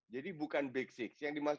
jadi bukan big six